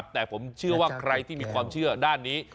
แต่ผมเชื่อว่าใครที่มีความเชื่อด้านนี้